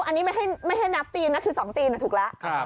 อันนี้ไม่ให้นับตีนแต่ก็สองตีนอะถูกแล้ว